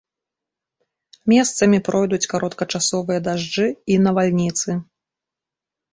Месцамі пройдуць кароткачасовыя дажджы і навальніцы.